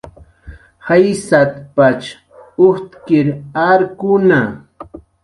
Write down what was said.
"Jaysat"" pach ujtkir arkuna"